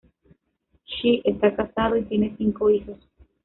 Shea está casado y tiene cinco hijos.